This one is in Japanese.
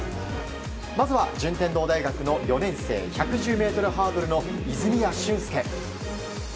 まずは、順天堂大学の４年生１１０ｍハードルの泉谷駿介。